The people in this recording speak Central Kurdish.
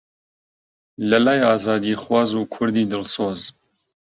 لەلای ئازادیخواز و کوردی دڵسۆز